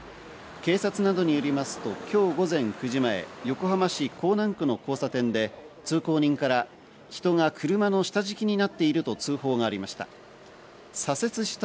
警察などによりますと、今日午前９時前、横浜市港南区の交差点で、通行人から人が車の下敷きになっていると通報がありました。